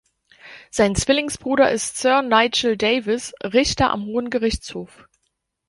Sein Zwillingsbruder ist Sir Nigel Davis, Richter am Hohen Gerichtshof.